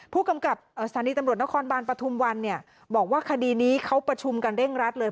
ผู้กำกับสถานีตำรวจนครบานปฐุมวันเนี่ยบอกว่าคดีนี้เขาประชุมกันเร่งรัดเลย